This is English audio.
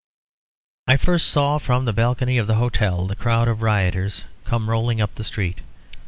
I first saw from the balcony of the hotel the crowd of riotors come rolling up the street.